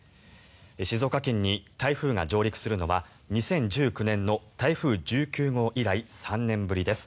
静岡県に台風が上陸するのは２０１９年の台風１９号以来３年ぶりです。